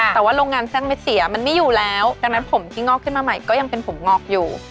แต่ว่าโรงงานสร้างเม็ดเสียมันไม่อยู่แล้วดังนั้นผมที่งอกขึ้นมาใหม่ก็ยังเป็นผมงอกอยู่